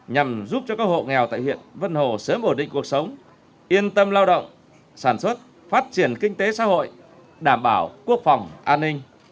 nhằm giúp cho các hộ nghèo tại huyện vân hồ sớm ổn định cuộc sống yên tâm lao động sản xuất phát triển kinh tế xã hội đảm bảo quốc phòng an ninh